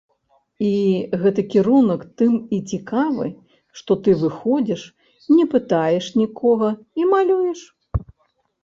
Гэты кірунак тым і цікавы, што ты выходзіш, не пытаеш нікога, і малюеш.